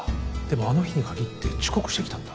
でもあの日にかぎって遅刻してきたんだ